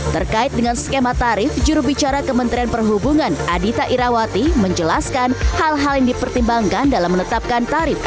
terkait dengan skema tarif jurubicara kementerian perhubungan adita irawati menjelaskan hal hal yang dipertimbangkan dalam menetapkan tarif